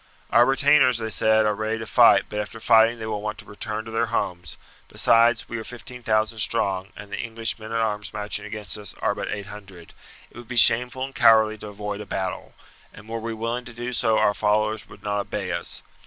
"Our retainers," they said, "are ready to fight, but after fighting they will want to return to their homes; besides, we are fifteen thousand strong, and the English men at arms marching against us are but eight hundred; it would be shameful and cowardly to avoid a battle, and were we willing to do so our followers would not obey us.